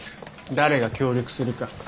誰が協力するか。